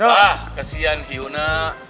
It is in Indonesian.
wah kesian hiu nek